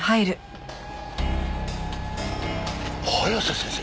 早瀬先生！？